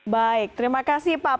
baik terima kasih pak